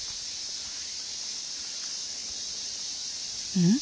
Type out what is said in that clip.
うん？